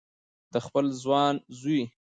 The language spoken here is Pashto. د خپل ځوان زوی